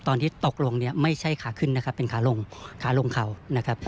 ตกลงเนี่ยไม่ใช่ขาขึ้นนะครับเป็นขาลงขาลงเขานะครับ